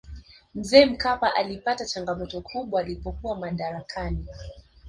mzee mkapa alipata changamoto kubwa alipokuwa madarakani